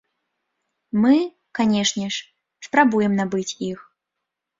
Мы, канечне ж, спрабуем набыць іх.